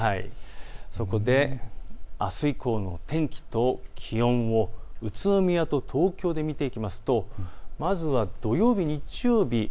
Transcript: そこであす以降の天気と気温を宇都宮と東京で見ていくとまずは土曜日、日曜日